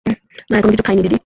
না, এখনো কিছু খাইনি দিদি।